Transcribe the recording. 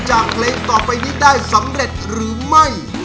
เพลงต่อไปนี้ได้สำเร็จหรือไม่